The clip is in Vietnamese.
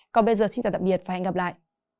còn bây giờ xin tạm biệt và hẹn gặp lại